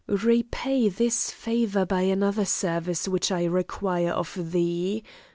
Repay this favour by another service which I require of thee.